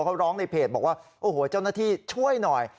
เขาร้องในเพจบอกว่าโอ้โหเจ้าหน้าที่ช่วยหน่อย